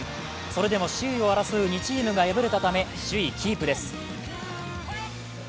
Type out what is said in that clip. それでも首位を争う２チームが敗れたため首位キープです。